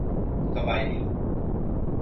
قبائلی